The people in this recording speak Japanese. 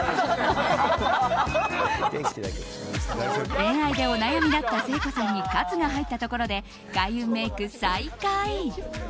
恋愛でお悩みだった誠子さんに活が入ったところで開運メイク再開！